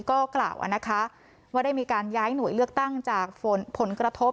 ก็กล่าวว่าได้มีการย้ายหน่วยเลือกตั้งจากผลกระทบ